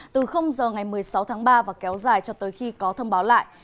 từ giờ ngày một mươi sáu tháng ba và kéo dài cho tới khi có thông báo lại